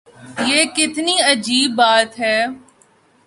یہ کتنی عجیب بات ہے۔